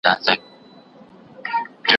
زه بايد ترتيب وکړم..